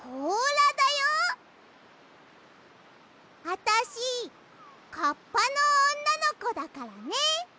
あたしカッパのおんなのこだからね。